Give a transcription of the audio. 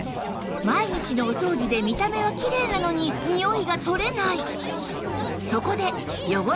毎日のお掃除で見た目はきれいなのににおいが取れない